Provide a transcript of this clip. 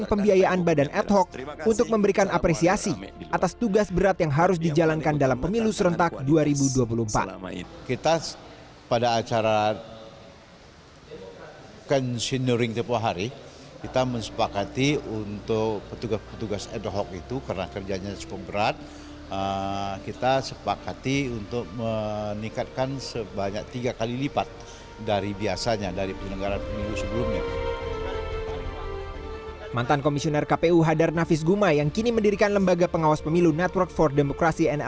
pemilu serentak dua ribu dua puluh